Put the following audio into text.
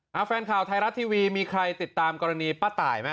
แฟนข่าวไทยรัฐทีวีมีใครติดตามกรณีป้าตายไหม